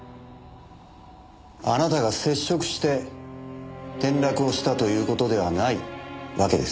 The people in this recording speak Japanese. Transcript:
あなたが接触して転落をしたという事ではないわけですね？